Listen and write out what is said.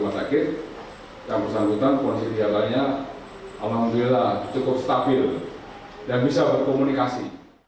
dan bisa berkomunikasi